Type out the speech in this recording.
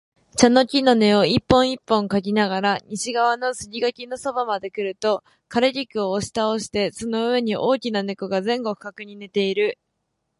茶の木の根を一本一本嗅ぎながら、西側の杉垣のそばまでくると、枯菊を押し倒してその上に大きな猫が前後不覚に寝ている